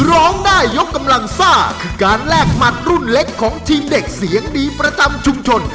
ร้องได้ยกกำลังซ่าคือการแลกหมัดรุ่นเล็กของทีมเด็กเสียงดีประจำชุมชน